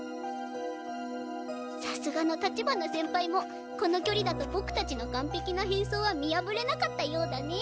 さすがの立花先輩もこのきょりだとボクたちのかんぺきなへんそうは見やぶれなかったようだね。